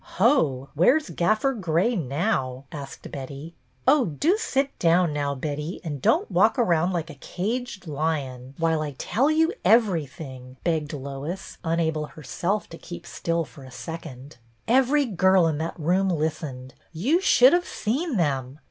"Ho, where's Gaffer Grey now.?" asked Betty. " Oh, do sit down now, Betty, and don't walk around like a caged lion, while I tell BETTY BAIRD 96 you everything," begged Lois, unable her self to keep still for a second. " Every girl in that room listened. You should have seen them.